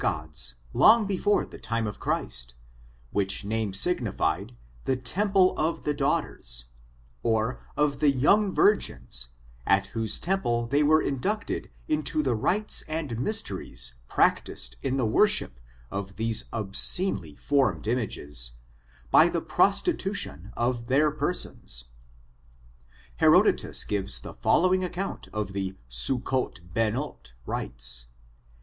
195 I gods, long before the time of Christ, which name sig nified the ^ tabernacle of the daughters," or of the young virgins, at whose temple they were mducted into the rites and mysteries practiced in the worship of these obscenely formed images, by the prostitution of their persons. Herodotus gives the following account of the Succoth Benoth rites.